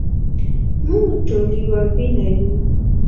مونږ ټول يوه وينه يو